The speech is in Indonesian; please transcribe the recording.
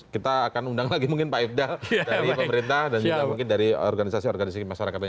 kita akan undang lagi mungkin pak ifdal dari pemerintah dan juga mungkin dari organisasi organisasi masyarakat lainnya